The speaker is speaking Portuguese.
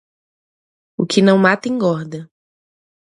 O que não mata engorda.